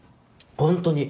本当に！